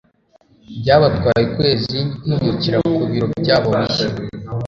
Byabatwaye ukwezi kwimukira ku biro byabo bishya.